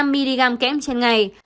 năm mg kém trên ngày